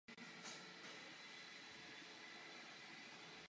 Jeho modely byly vždy o kus dál.